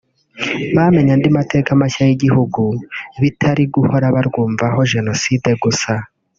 bamenye andi mateka mashya y’igihugu bitari guhora barwumvaho Jenoside gusa